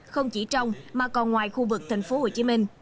không chỉ trong mà còn ngoài khu vực tp hcm